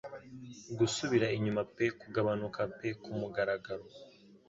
gusubira inyuma pe kugabanuka pe ku mugaragaro